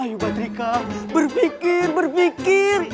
ayuh batrika berpikir berpikir